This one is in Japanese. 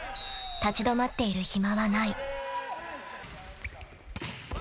［立ち止まっている暇はない］